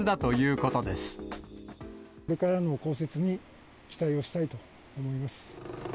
これからの降雪に期待をしたいと思います。